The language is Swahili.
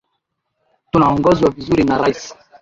Tunaongozwa vizuri na rais.